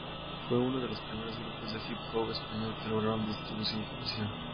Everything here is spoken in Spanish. Fue uno de los primeros grupos de hip hop español que lograron distribución comercial.